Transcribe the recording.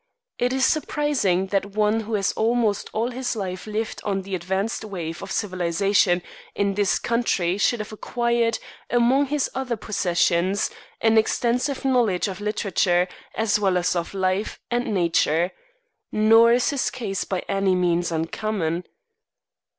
It is surprising that one who has almost all his life lived on the advanced wave of civilization in this country should have acquired, among his other possessions, an extensive knowledge of literature, as well as of life and nature. Nor is his case by any means uncommon.